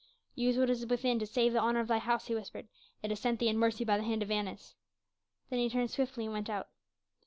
"Use what is within to save the honor of thy house," he whispered. "It is sent thee in mercy by the hand of Annas." Then he turned swiftly and went out.